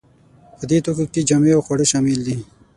په دې توکو کې جامې او خواړه شامل دي.